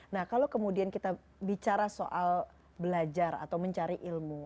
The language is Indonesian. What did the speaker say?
nah kalau kemudian kita bicara soal belajar atau mencari ilmu